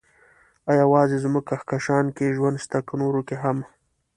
ايا يوازې زموږ کهکشان کې ژوند شته، که نورو کې هم؟